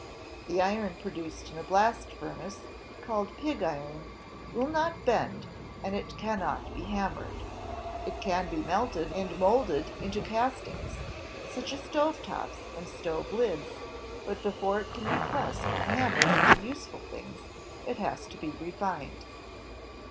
The iron produced in a blast furnace, called pig iron, will not bend, and it cannot be hammered. It can be melted and molded into castings, such as stove tops and stove lids, but before it can be pressed or hammered, into useful things, it has to be refined.